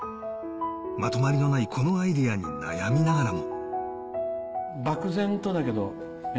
まとまりのないこのアイデアに悩みながらも。